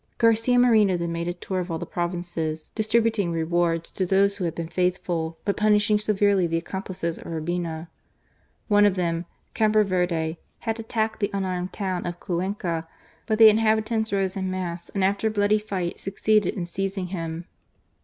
Garcia Moreno then made a tour of all the provinces, distributing rewards to those who had been faithful, but punishing severely the accomplices of Urbina. One of them, Campoverde, had attacked the unarmed town of Cuenca, but the inhabitants rose en masse, and after a bloody fight succeeded in seizing him.